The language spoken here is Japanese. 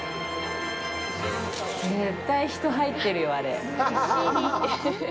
絶対、人入ってるよ、あれ。